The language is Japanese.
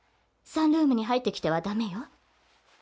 サンルームに入って来てはダメよ。